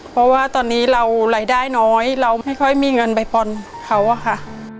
เพราะว่าตอนนี้เรารายได้น้อยเราไม่ค่อยมีเงินไปผ่อนเขาอะค่ะ